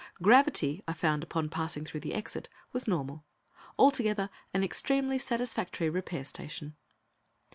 Gravity, I found upon passing through the exit, was normal. Altogether an extremely satisfactory repair station.